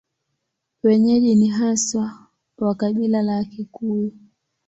Wenyeji ni haswa wa kabila la Wakikuyu.